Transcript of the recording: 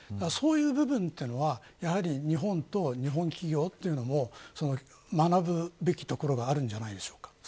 そういう部分というのは日本と日本企業というのも学ぶべきところがあるんじゃないでしょうか。